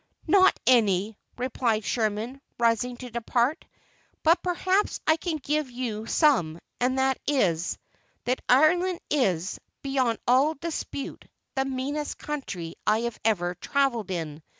"Not any," replied Sherman, rising to depart: "but perhaps I can give you some; and that is, that Ireland is, beyond all dispute, the meanest country I ever travelled in.